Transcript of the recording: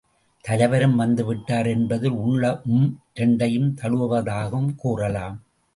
தலைவரும் வந்து விட்டார் என்பதில் உள்ள உம் இரண்டையும் தழுவுவதாகவும் கூறலாம்.